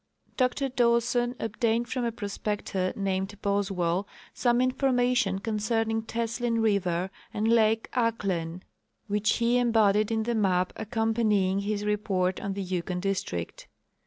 Dr Dawson obtained from a prospector named Boswell some information concerning Teslin river and lake Ahklen which he embodied in the map accompanying his report on the Yukon district.